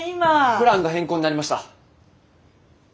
プランが変更になりました。